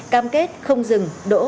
cam kết không dừng đỗ